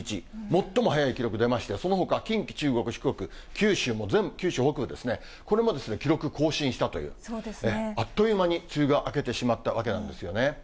最も早い記録出まして、そのほか、近畿、中国、四国、九州も全部、九州北部ですね、これも記録更新したという、あっという間に梅雨が明けてしまったわけなんですよね。